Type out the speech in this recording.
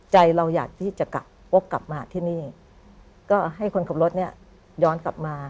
ใจเราอยากที่จะกลับวกกลับมาที่นี่ก็ให้คนขับรถเนี่ยย้อนกลับมา